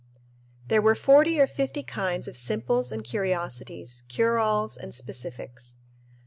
There were forty or fifty kinds of simples and curiosities, cure alls, and specifics.